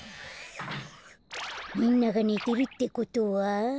みんながねてるってことは。